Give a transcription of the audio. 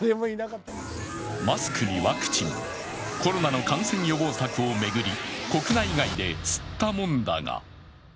マスクにワクチン、コロナの感染予防策を巡り国内外で、すったもんだが。